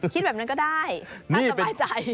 ใช่ค่ะคิดแบบนั้นก็ได้ต้องตะบายใจ